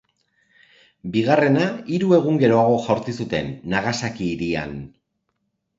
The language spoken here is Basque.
Bigarrena, hiru egun geroago jaurti zuten, Nagasaki hirian.